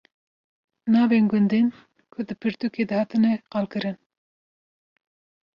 Navên gundên ku di pirtûkê de hatine qalkirin